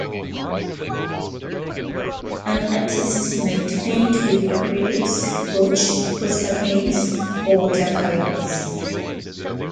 An artist might paint with acrylics, gouache, poster paints, or watercolors.